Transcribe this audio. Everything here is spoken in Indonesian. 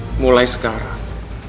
ma mulai sekarang